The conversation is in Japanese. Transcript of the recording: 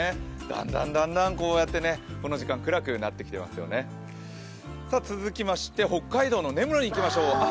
だんだんだんだん、こうやってこの時間、暗くなってきてますよね続きまして北海道の根室にいきましょう。